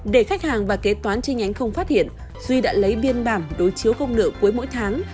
để khách hàng và kế toán chi nhánh không phát hiện duy đã lấy biên bản đối chiếu không nợ cuối mỗi tháng